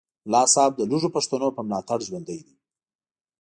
ملا صاحب د لږو پښتنو په ملاتړ ژوندی دی